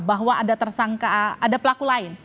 bahwa ada tersangka ada pelaku lain